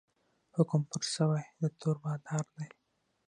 حکم پر سوی د تور بادار دی